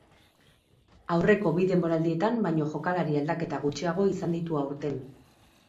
Aurreko bi denboraldietan baino jokalari aldaketa gutxiago izan ditu aurten.